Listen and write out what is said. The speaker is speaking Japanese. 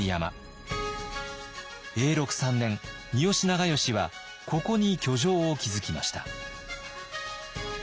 永禄３年三好長慶はここに居城を築きました。